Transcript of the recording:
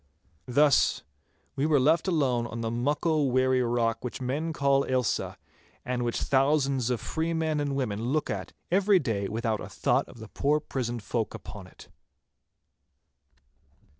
Thus were we left alone on the muckle weary rock which men call Ailsa, and which thousands of free men and women look at every day without a thought of the poor prisoned folk upon it.